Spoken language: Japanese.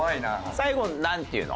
最後なんて言うの？